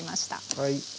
はい。